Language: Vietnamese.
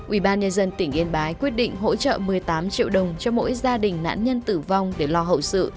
ubnd tỉnh yên bái quyết định hỗ trợ một mươi tám triệu đồng cho mỗi gia đình nạn nhân tử vong để lo hậu sự